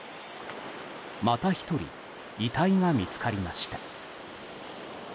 また１人遺体が見つかりました。